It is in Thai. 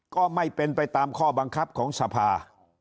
ก็ไม่เป็นไปตามข้อบังคับของสภา